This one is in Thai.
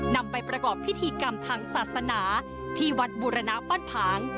นำไปประกอบพิธีกรรมทางศาสนาที่วัดบุรณะบ้านผาง